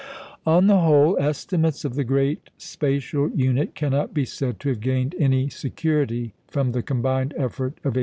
On the whole, estimates of the great spatial unit cannot be said to have gained any security from the combined effort of 1874.